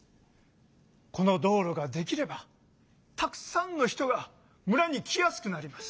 この道路ができればたくさんの人が村に来やすくなります。